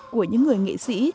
của những người nghệ sĩ